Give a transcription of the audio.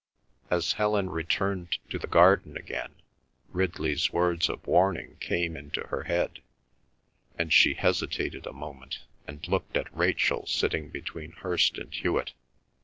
As Helen returned to the garden again, Ridley's words of warning came into her head, and she hesitated a moment and looked at Rachel sitting between Hirst and Hewet.